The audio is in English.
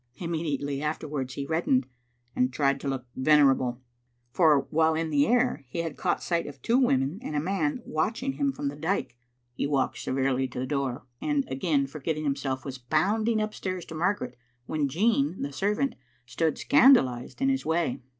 Immediately after* wards he reddened and tried to look venerable, for while in the air he had caught sight of two women and a man watching him from the dyke. He walked severely to the door, and, again forgetting himself, was bounding upstairs to Margaret, when Jean, the servant, stood scandalised in his way.